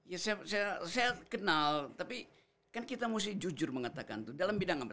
ya saya kenal tapi kan kita mesti jujur mengatakan itu dalam bidang apa